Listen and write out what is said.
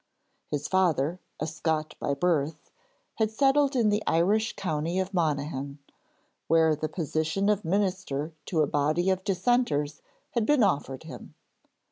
His father, a Scot by birth, had settled in the Irish county of Monaghan, where the position of minister to a body of dissenters had been offered him.